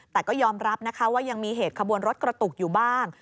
แต่ก็ยอมรับนะคะว่ายังมีเหตุขบวนรถกระตุกอยู่บ้าง